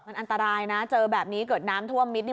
มันอันตรายนะเจอแบบนี้เกิดน้ำท่วมมิดนี่